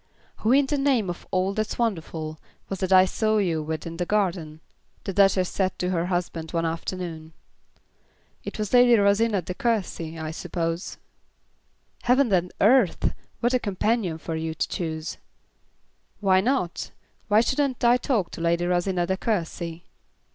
"Who, in the name of all that's wonderful, was that I saw you with in the garden?" the Duchess said to her husband one afternoon. "It was Lady Rosina De Courcy, I suppose." "Heaven and earth! what a companion for you to choose." "Why not? why shouldn't I talk to Lady Rosina De Courcy?"